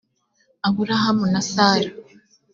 aburahamu na sara